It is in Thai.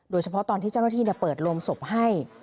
โดยเฉพาะตอนที่เจ้าหน้าที่เปิดโรงศพให้